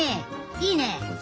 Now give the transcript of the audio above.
いいね。